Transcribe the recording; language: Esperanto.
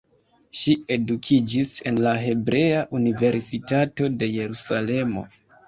Ŝi edukiĝis en la Hebrea Universitato de Jerusalemo.